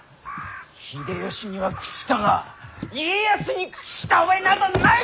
秀吉には屈したが家康に屈した覚えなどないわ！